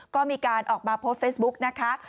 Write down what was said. ก็มีการออกมาโพสต์เฟซบุ๊กนะคะ